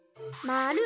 まる。